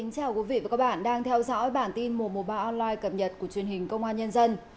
chào mừng quý vị đến với bản tin mùa mùa ba online cập nhật của truyền hình công an nhân dân